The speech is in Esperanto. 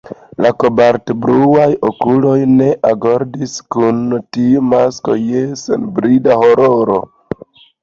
La kobaltbluaj okuloj ne agordis kun tiu masko je senbrida hororo.